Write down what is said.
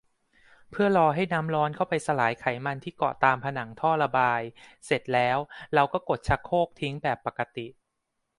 เพื่อรอให้น้ำร้อนเข้าไปสลายไขมันที่เกาะตามผนังท่อระบาย เสร็จแล้วเราก็กดชักโครกทิ้งแบบปกติ